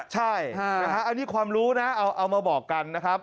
ใช่นะฮะอันนี้ความรู้นะเอามาบอกกันนะครับ